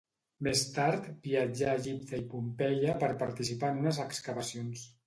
Més tard, viatjà a Egipte i Pompeia per participar en unes excavacions.